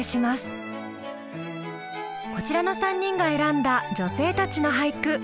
こちらの３人が選んだ女性たちの俳句。